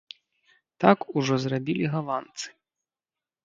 Так ужо зрабілі галандцы.